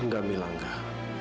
gak mila enggak